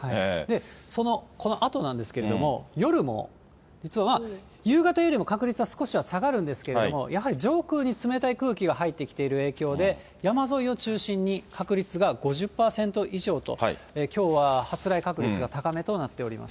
その、このあとなんですけれども、夜も実は、夕方よりも確率は少し下がるんですけれども、やはり上空に冷たい空気が入ってきている影響で、山沿いを中心に確率が５０％以上と、きょうは発雷確率が高めとなっております。